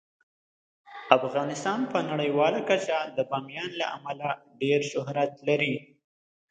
افغانستان په نړیواله کچه د بامیان له امله ډیر شهرت لري.